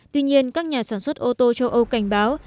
tuy nhiên các nhà sản xuất ô tô châu âu cảnh báo